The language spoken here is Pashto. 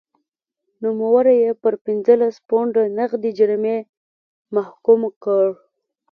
نوموړی یې پر پنځلس پونډه نغدي جریمې محکوم کړ.